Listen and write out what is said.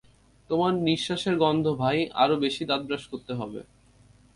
তোমার নিঃশ্বাসের গন্ধ, ভাই, আরও বেশি দাঁত ব্রাশ করতে হবে।